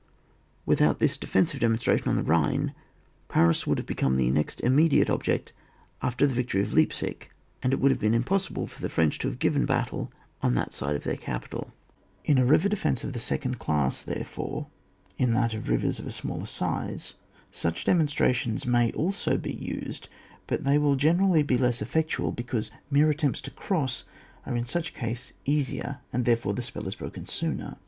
Without this defensive demon stration on the Bhine, Paris would have become the next immediate .object after the victory of Leipsic, and it would have been impossible for the French to have given battle on that side of their capital. 144 ON WAR, [book VI. In a river defence of the second dafis, therefore, in that of rivers of a smaller size, such demonstrations may also be used, bnt they ^rill generally be less efiPectual, because mere attempts to cross are in such a case easier, and therefore the spell is sooner broken.